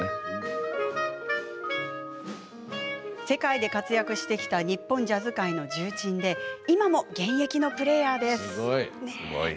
世界で活躍してきた日本ジャズ界の重鎮で今も現役のプレーヤーです。